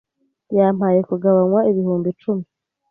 Yampaye kugabanywa ibihumbi icumi .